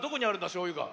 しょうゆが。